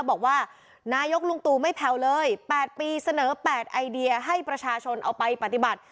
บอกว่านายกลุงตู่ไม่แผ่วเลย๘ปีเสนอ๘ไอเดียให้ประชาชนเอาไปปฏิบัติ